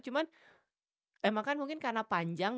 cuman emang kan mungkin karena panjang